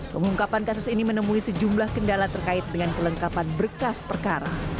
pengungkapan kasus ini menemui sejumlah kendala terkait dengan kelengkapan berkas perkara